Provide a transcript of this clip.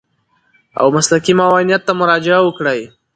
او مسلکي معاونيت ته مراجعه وکړي.